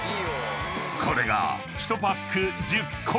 ［これが１パック１０個入り］